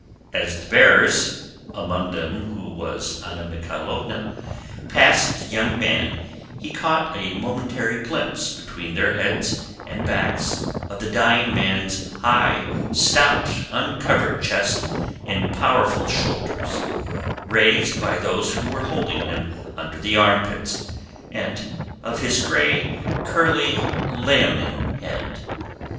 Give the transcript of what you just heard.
As the bearers, among whom was Anna Mikháylovna, passed the young man he caught a momentary glimpse between their heads and backs of the dying man's high, stout, uncovered chest and powerful shoulders, raised by those who were holding him under the armpits, and of his gray, curly, leonine head.